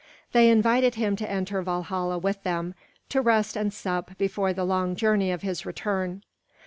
They invited him to enter Valhalla with them, to rest and sup before the long journey of his return.